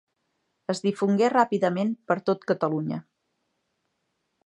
Es difongué ràpidament per tot Catalunya.